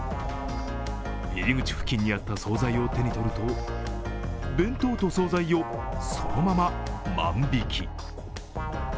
入り口付近にあった総菜を手に取ると、弁当と総菜を、そのまま万引き。